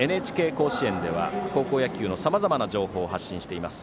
「＃ＮＨＫ甲子園」では高校野球のさまざまな情報を発信しています。